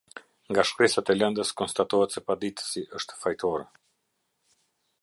Nga shkresat e lëndës konstatohet se paditësi është fajtor.